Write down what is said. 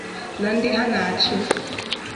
na ndị ha na-achị.